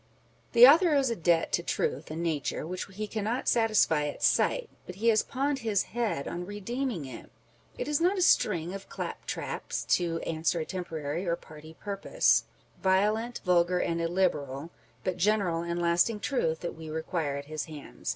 The author owes a debt to truth and nature which he cannot satisfy at sight, but he has pawned his head on redeeming it. It is not a string of clap traps to answer a temporary or party purpose, â€" violent, vulgar, and illiberal, â€" but general and lasting truth that we require at his hands.